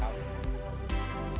sampai dengan akhir tahun